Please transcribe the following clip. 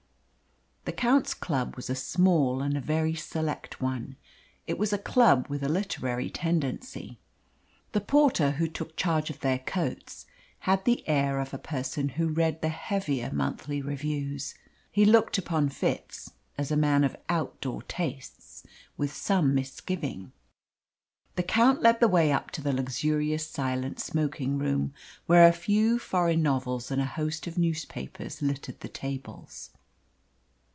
The Count's club was a small and a very select one. It was a club with a literary tendency. The porter who took charge of their coats had the air of a person who read the heavier monthly reviews. He looked upon Fitz, as a man of outdoor tastes, with some misgiving. The Count led the way up to the luxurious silent smoking room, where a few foreign novels and a host of newspapers littered the tables.